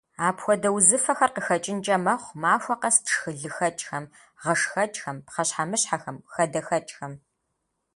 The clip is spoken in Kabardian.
Апхуэдэ узыфэхэр къыхэкӀынкӀэ мэхъу махуэ къэс тшхы лыхэкӀхэм, гъэшхэкӀхэм, пхъэщхьэмыщхьэхэм, хадэхэкӀхэм.